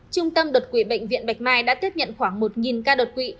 trung tâm đột quỵ bệnh viện bạch mai đã tiếp nhận khoảng một ca đột quỵ